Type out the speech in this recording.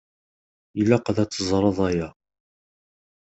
Ilaq ad t-teẓṛeḍ aya.